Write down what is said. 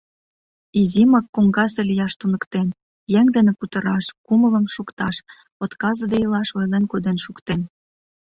Изимак коҥгазе лияш туныктен, еҥ дене кутыраш, кумылым шукташ, отказыде илаш ойлен коден шуктен.